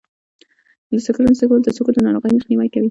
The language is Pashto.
د سګرټ نه څکول د سږو د ناروغۍ مخنیوی کوي.